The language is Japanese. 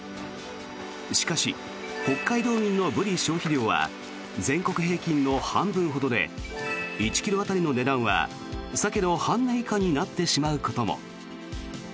しかし、北海道民のブリ消費量は全国平均の半分ほどで１ｋｇ当たりの値段はサケの半値以下になってしまうことも。